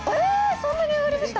そんなに上がりました？